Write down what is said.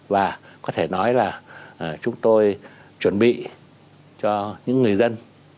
và có thể nói là chúng tôi chuẩn bị cho những người dân